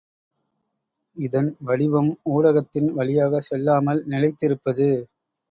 இதன் வடிவம் ஊடகத்தின் வழியாகச் செல்லாமல் நிலைத்திருப்பது.